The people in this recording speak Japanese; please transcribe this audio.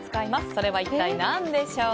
それは一体何でしょう？